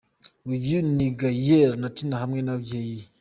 Uyu ni Gaelle na Tina hamwe n'ababyeyi.